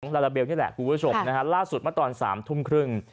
ราลาเบลนี่แหละครูผู้ชมนะฮะล่าสุดมาตอนสามทุ่มครึ่ง